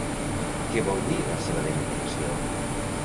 Què vol dir la seva denominació?